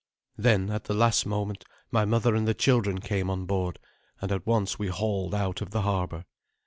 Then, at the last moment, my mother and the children came on board, and at once we hauled out of the harbour.